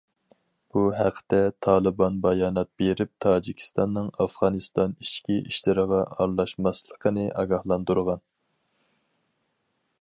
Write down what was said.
بۇ ھەقتە تالىبان بايانات بېرىپ تاجىكىستاننىڭ ئافغانىستان ئىچكى ئىشلىرىغا ئارىلاشماسلىقىنى ئاگاھلاندۇرغان.